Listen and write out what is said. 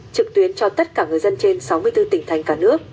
trực tuyến cho tất cả người dân trên sáu mươi bốn tỉnh thành cả nước